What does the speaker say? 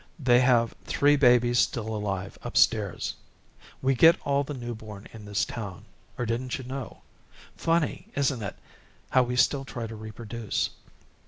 They have three babies still alive upstairs. We get all the newborn in this town, or didn't you know. Funny, isn't it, how we still try to reproduce.